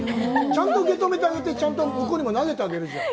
ちゃんと受けとめてあげて、向こうにも投げてあげるじゃん。